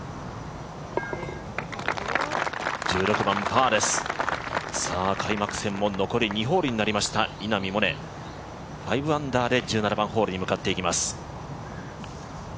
１６番、パーです、開幕戦も残り２ホールになりました稲見萌寧、５アンダーで１７番ホールに向かっていきます。